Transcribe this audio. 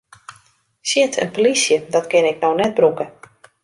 Shit, in plysje, dat kin ik no net brûke!